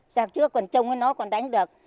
giặc trước còn trông nó còn đánh được